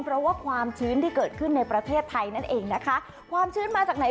เพราะว่าความชื้นที่เกิดขึ้นในประเทศไทยนั่นเองนะคะความชื้นมาจากไหน